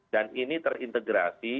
dan ini terintegrasi